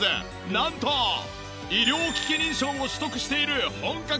なんと医療機器認証を取得している本格派で。